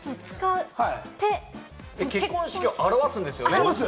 結婚式をあらわすんですよね？